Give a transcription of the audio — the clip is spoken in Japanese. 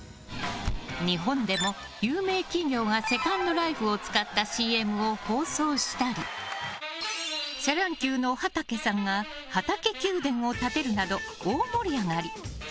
日本でも有名企業がセカンドライフを使ったＣＭを放送したりシャ乱Ｑのはたけさんがはたけ宮殿を建てるなど大盛り上がり。